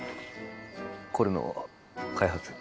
これの開発に。